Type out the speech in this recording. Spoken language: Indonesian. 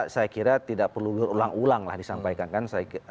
saya kira tidak perlu ulang ulang disampaikan kan